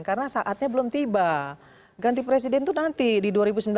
karena saatnya belum tiba ganti presiden itu nanti di dua ribu sembilan belas